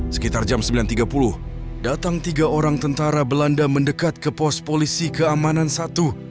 sekitar jam sembilan tiga puluh datang tiga orang tentara belanda mendekat ke pos polisi keamanan satu